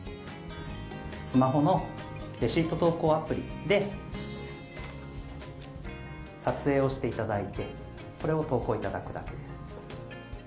スマホのレシート投稿アプリで撮影をしていただいて、これを投稿いただくだけです。